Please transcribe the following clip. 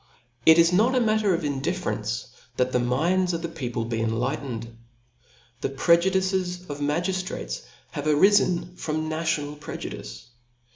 Jt is not a matter of iiidifference, that the minds pfi the people, be enlightened^ The prejudices of magiftratea have arifen from .national projudice.